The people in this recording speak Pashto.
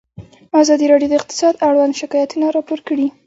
ازادي راډیو د اقتصاد اړوند شکایتونه راپور کړي.